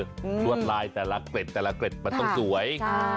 ลวดลายแต่ละเกร็ดแต่ละเกร็ดมันต้องสวย